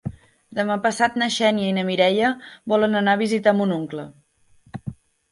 Demà passat na Xènia i na Mireia volen anar a visitar mon oncle.